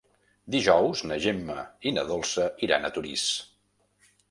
Dijous na Gemma i na Dolça iran a Torís.